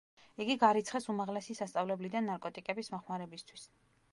იგი გარიცხეს უმაღლესი სასწავლებლიდან ნარკოტიკების მოხმარებისთვის.